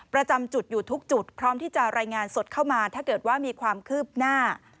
ประจำจุดอยู่ทุกจุดพร้อมที่จะรายงานสดเข้ามาถ้าเกิดว่ามีความคืบหน้า